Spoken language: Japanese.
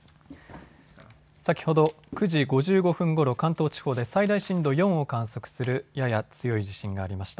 先ほど９時５５分ごろ関東地方で最大震度４を観測するやや強い地震がありました。